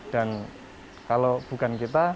dan kalau bukan kita